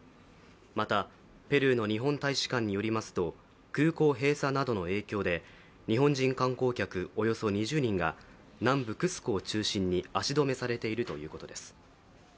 またペルーの日本大使館によりますと空港閉鎖などの影響で日本人観光客およそ２０人が南部クスコを中心に足止めされているということです。